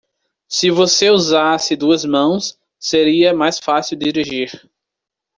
Se você usasse duas mãos, seria mais fácil dirigir.